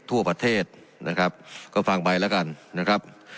ทั่วประเทศนะครับก็ฟังไปแล้วกันนะครับ